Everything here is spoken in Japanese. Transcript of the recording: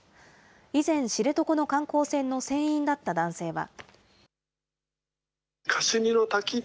以前、知床の観光船の船員だった男性は。